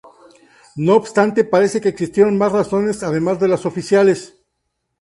No obstante parece que existieron más razones además de las oficiales.